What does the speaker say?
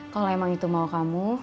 kalau emang itu mau kamu